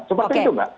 seperti itu mbak